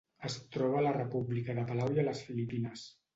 Es troba a la República de Palau i a les Filipines.